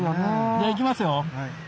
じゃあ行きますよ。